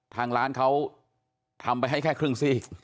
ทางร้านเขาทำไปให้แค่ครึ่งซีก